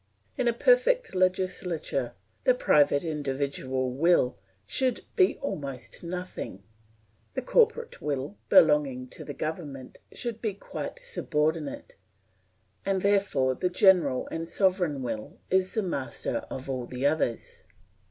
In a perfect legislature the private individual will should be almost nothing; the corporate will belonging to the government should be quite subordinate, and therefore the general and sovereign will is the master of all the others.